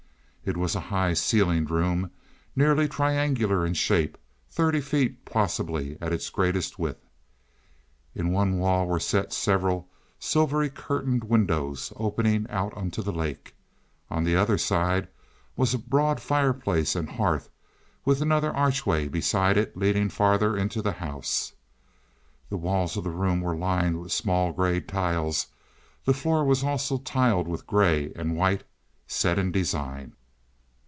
It was a high ceilinged room nearly triangular in shape, thirty feet possibly at its greatest width. In one wall were set several silvery curtained windows, opening out on to the lake. On the other side was a broad fireplace and hearth with another archway beside it leading farther into the house. The walls of the room were lined with small gray tiles; the floor also was tiled with gray and white, set in design.